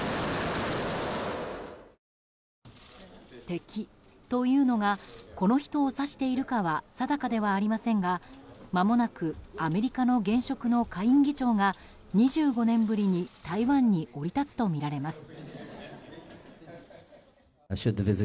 敵というのがこの人を指しているかは定かではありませんがまもなくアメリカの現職の下院議長が２５年ぶりに台湾に降り立つとみられます。